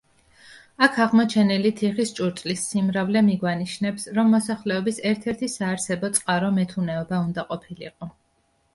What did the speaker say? აქ აღმოჩენილი თიხის ჭურჭლის სიმრავლე მიგვანიშნებს, რომ მოსახლეობის ერთ-ერთი საარსებო წყარო მეთუნეობა უნდა ყოფილიყო.